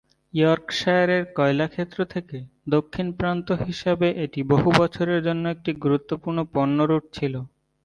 ইয়র্কশায়ারের কয়লা ক্ষেত্র থেকে দক্ষিণ প্রান্ত হিসাবে এটি বহু বছরের জন্য একটি গুরুত্বপূর্ণ পণ্য রুট ছিল।